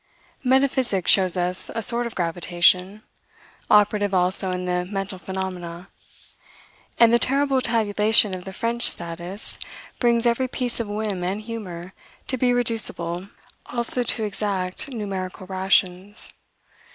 Metaphysics shows us a sort of gravitation, operative also in the mental phenomena; and the terrible tabulation of the French statists brings every piece of whim and humor to be reducible also to exact numerical rations.